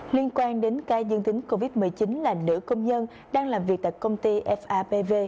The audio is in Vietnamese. liên quan đến ca dương tính covid một mươi chín là nữ công nhân đang làm việc tại công ty fapv